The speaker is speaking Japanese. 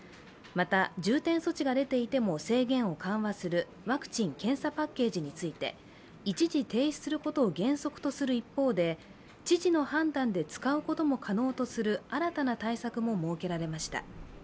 また、重点措置が出ていても、制限を緩和するワクチン・検査パッケージについて一時停止することを原則とする一方で知事の判断で使うこともできるとする新たな対策も設けられました。